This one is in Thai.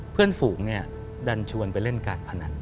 เพื่อนฝูงดันชวนไปเล่นการพนัน